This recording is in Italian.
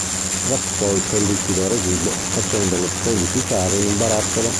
Raccolse il liquido residuo facendolo solidificare in un barattolo.